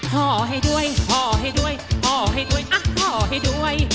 ห่อให้ด้วยห่อให้ด้วยห่อให้ด้วยห่อให้ด้วย